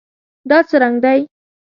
دا څه رنګ دی؟